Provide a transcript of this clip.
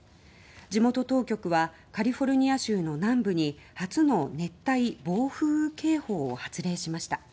地元当局はカリフォルニア州の南部に初の熱帯暴風警報を発令しました。